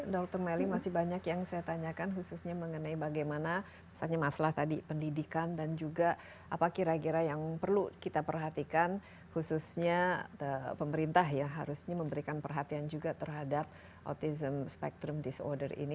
dr melly masih banyak yang saya tanyakan khususnya mengenai bagaimana misalnya masalah tadi pendidikan dan juga apa kira kira yang perlu kita perhatikan khususnya pemerintah ya harusnya memberikan perhatian juga terhadap autism spectrum disorder ini